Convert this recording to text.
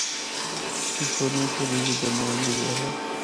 اے سولہویں صدی دے درمیان دی گل اے۔